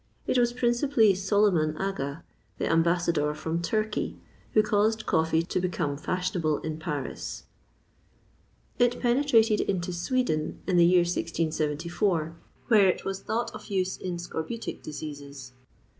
It was principally Soliman Aga, the ambassador from Turkey, who caused coffee to become fashionable in Paris. It penetrated into Sweden in the year 1674, where it was thought of use in scorbutic diseases.